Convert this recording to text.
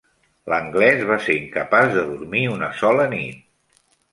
L'Anglès va ser incapaç de dormir una sola nit.